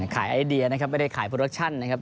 ไอเดียนะครับไม่ได้ขายโปรดักชั่นนะครับ